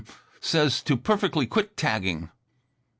says to perfectly quit tagging."